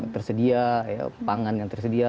tersedia pangan yang tersedia